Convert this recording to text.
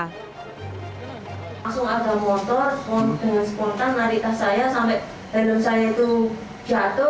langsung ada motor dengan spontan lari tas saya sampai hanum saya itu jatuh